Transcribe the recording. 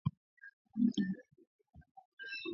Kutembea kwa magoti au kuchuchumaa au kutembelea magoti